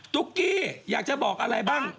ตุ๊กกี้อยากจะบอกอะไรบ้าง